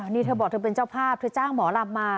นี่เธอบอกเธอเป็นเจ้าภาพเธอจ้างหมอลำมา